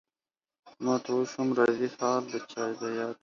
ماته اوس هم راځي حال د چا د ياد~